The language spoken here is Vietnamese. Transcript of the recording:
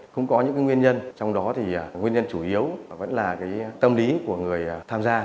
không có những nguyên nhân trong đó nguyên nhân chủ yếu vẫn là tâm lý của người tham gia